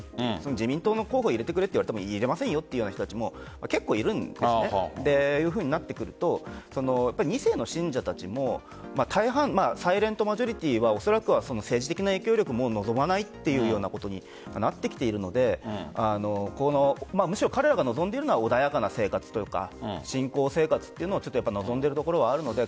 自民党の候補に入れてくれと言っても入れませんよという人も結構いるんです。というふうになってくると２世の信者たちもサイレントマジョリティーはおそらくは政治的な影響力も望まないというふうになってきているのでむしろ彼らが望んでいるのは穏やかな生活と信仰生活を望んでいるところがあるので